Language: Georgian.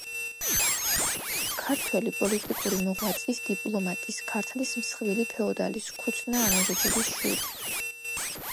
ქართველი პოლიტიკური მოღვაწის, დიპლომატის, ქართლის მსხვილი ფეოდალის ქუცნა ამირეჯიბის შვილი.